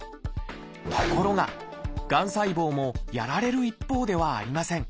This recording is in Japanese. ところががん細胞もやられる一方ではありません。